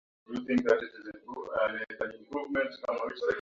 na ilikamatwa wakati ikikatiza kuelekea nchi husika